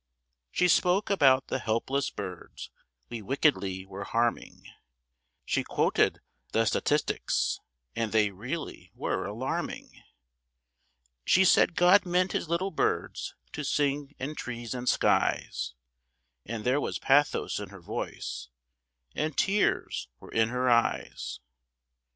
She spoke about the helpless birds we wickedly were harming; She quoted the statistics, and they really were alarming; She said God meant His little birds to sing in trees and skies; And there was pathos in her voice, and tears were in her eyes.